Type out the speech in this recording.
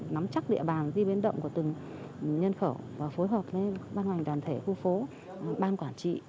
nắm chắc địa bàn di biến động của từng nhân khẩu và phối hợp với ban ngành đoàn thể khu phố ban quản trị